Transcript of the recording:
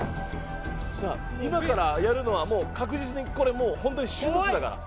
さあ今からやるのはもう確実にこれもう本当に手術だから。